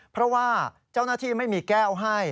เพราะว่าเจ้าหน้าที่ไม่มีแก้วให้